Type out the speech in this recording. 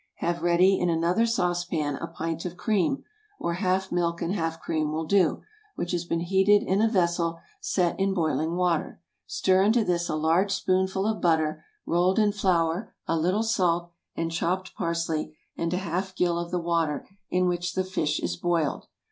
Have ready in another saucepan a pint of cream—or half milk and half cream will do—which has been heated in a vessel set in boiling water; stir into this a large spoonful of butter, rolled in flour, a little salt and chopped parsley, and a half gill of the water in which the fish is boiled.